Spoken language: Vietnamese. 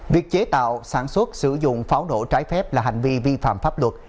việc chế tạo sản xuất sử dụng pháo nổ trái phép là hành vi vi phạm pháp luật